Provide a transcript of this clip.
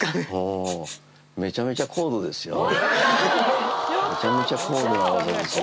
おぉめちゃめちゃ高度な技ですよ